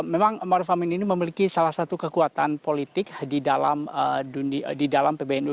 memang maruf amin ini memiliki salah satu kekuatan politik di dalam pbnu